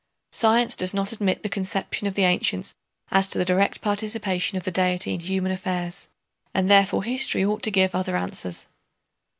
Science does not admit the conception of the ancients as to the direct participation of the Deity in human affairs, and therefore history ought to give other answers.